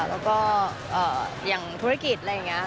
แล้วก็อย่างธุรกิจอะไรอย่างนี้